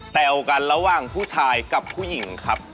แววกันระหว่างผู้ชายกับผู้หญิงครับ